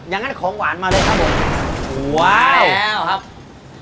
อย่างงั้นของหวานมาได้ครับผม